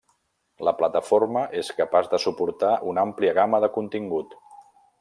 La plataforma és capaç de suportar una àmplia gamma de contingut.